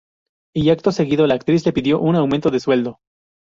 Y acto seguido, la actriz le pidió un aumento de sueldo.